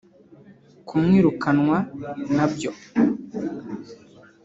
Kumwirukanwa nabyo